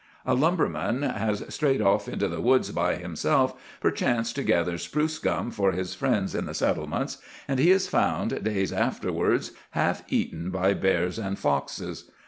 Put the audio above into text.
"A lumberman has strayed off into the woods by himself, perchance to gather spruce gum for his friends in the settlements, and he is found, days afterwards, half eaten by bears and foxes.